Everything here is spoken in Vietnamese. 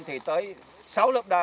thì tới sáu lớp đá